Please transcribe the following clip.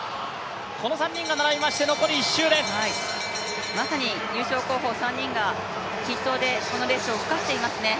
この３人が並びまして、残り１周ですまさに優勝候補３人が筆頭でこのレースを引っ張っていますね。